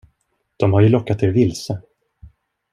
De har ju lockat er vilse.